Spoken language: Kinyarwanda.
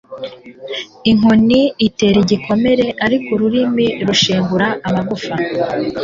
inkoni itera igikomere ariko ururimi rushengura amagufa